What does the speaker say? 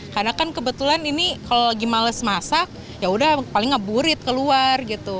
karena kan kebetulan ini kalau lagi males masak yaudah paling ngeburit keluar gitu